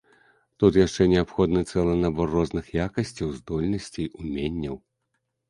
Тут яшчэ неабходны цэлы набор розных якасцяў, здольнасцей, уменняў.